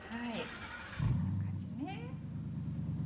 こんな感じね。